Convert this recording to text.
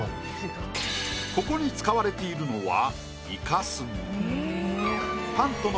ここに使われているのは。